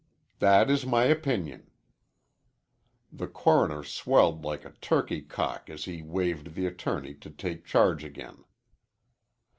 "That is my opinion." The coroner swelled like a turkey cock as he waved the attorney to take charge again.